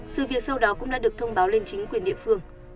sự việc sau đó cũng đã được thông báo lên chính quyền địa phương